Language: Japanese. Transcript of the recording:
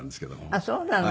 ああそうなの。